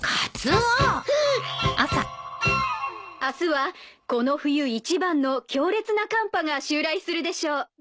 あすはこの冬一番の強烈な寒波が襲来するでしょう。